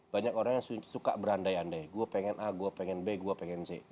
banyak orang yang suka berandai andai gue pengen a gue pengen b gue pengen c